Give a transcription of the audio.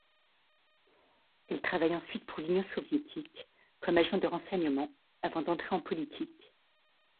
Elle travaille ensuite pour l'Union soviétique comme agent de renseignement avant d'entrer en politique.